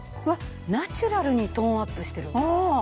うわっナチュラルにトーンアップしてる。